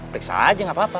periksa aja gak apa apa